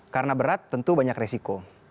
karena berat tentu banyak resiko